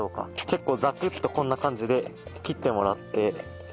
結構ザクッとこんな感じで切ってもらって。